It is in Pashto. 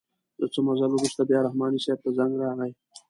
له څه مزل وروسته بیا رحماني صیب ته زنګ راغئ.